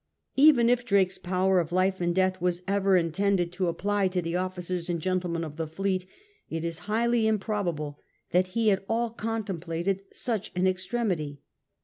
Even if Drake's power of life and death was ever intended to apply to the officers and gentlemen of the fleet, it is highly improbable that he at all contemplated such an extremity.